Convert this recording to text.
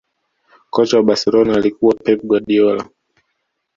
kocha wa barcelona alikuwa pep guardiola